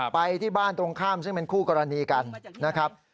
ไปที่บ้านตรงข้ามซึ่งเป็นคู่กรณีกันนะครับ